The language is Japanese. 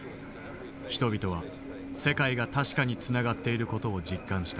人々は世界が確かにつながっている事を実感した。